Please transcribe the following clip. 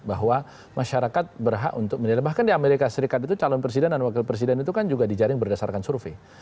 bahwa masyarakat berhak untuk menilai bahkan di amerika serikat itu calon presiden dan wakil presiden itu kan juga dijaring berdasarkan survei